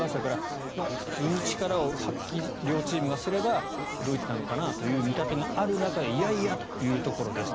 普通に力を両チームが発揮すればドイツなのかなという見立てがある中でいやいや、というところです。